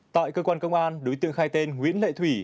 tại cơ quan công an đối tượng khai tên nguyễn lệ thủy